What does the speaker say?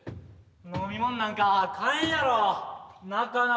飲み物なんか買えんやろなかなか。